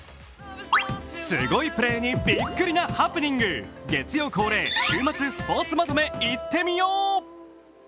すごいプレーにビックリなハプニング、月曜恒例、週末スポーツまとめいってみよう！